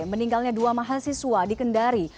meninggalnya dua mahasiswa di kendari